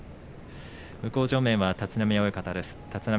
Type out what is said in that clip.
向正面は立浪親方です。